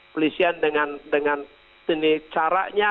polisian dengan caranya